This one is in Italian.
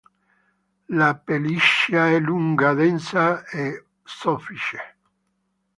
La pelliccia è lunga, densa e soffice.